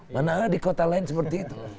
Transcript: mana ada di kota lain seperti itu